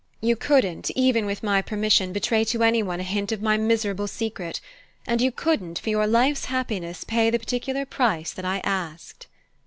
You couldn't, even with my permission, betray to any one a hint of my miserable secret, and you couldn't, for your life's happiness, pay the particular price that I asked."